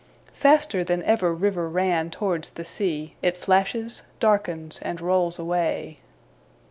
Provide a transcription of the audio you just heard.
Faster than ever river ran towards the sea, it flashes, darkens, and rolls away.